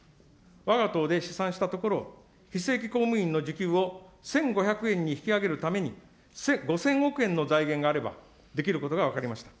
わが党で試算したところ、非正規公務員の時給を１５００円に引き上げるために、５０００億円の財源があれば、できることが分かりました。